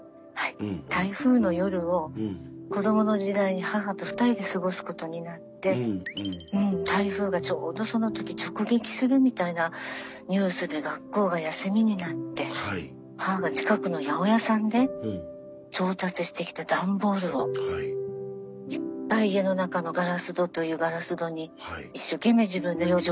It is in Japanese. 台風の夜を子どもの時代に母と２人で過ごすことになってもう台風がちょうどその時直撃するみたいなニュースで学校が休みになって母が近くの八百屋さんで調達してきた段ボールをいっぱい家の中のガラス戸というガラス戸に一生懸命自分で養生